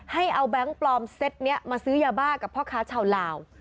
ให้เอาแบงค์ปลอมเซ็ตนี้มาซื้อยาบ้ากับพ่อค้าชาวลาว